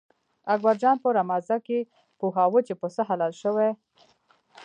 اکبر جان په رمازه کې پوهوه چې پسه حلال شوی.